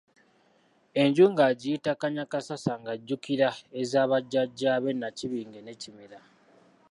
Enju n'agiyita Kannyakassasa ng'ajjukira eza bajjajja be Nnakibinge ne Kimera.